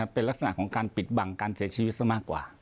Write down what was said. เป็นลักษณะของการปิดบังการเสียชีวิตซะมากกว่า